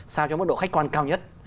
sao cho mức độ khách quan cao nhất